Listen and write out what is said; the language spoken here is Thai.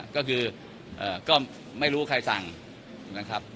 ก็คือก็ไม่รู้ว่าใครสั่งถูกไหมครับ